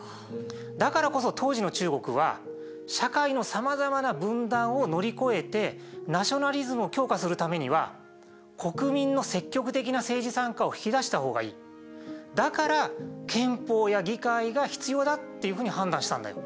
だからこそ当時の中国は社会のさまざまな分断を乗り越えてナショナリズムを強化するためには国民の積極的な政治参加を引き出した方がいいだから憲法や議会が必要だっていうふうに判断したんだよ。